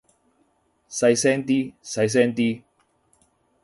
細聲啲，細聲啲